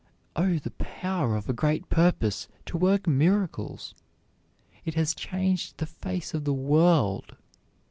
Oh, the power of a great purpose to work miracles! It has changed the face of the world.